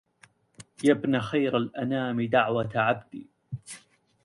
يا بن خير الأنام دعوة عبد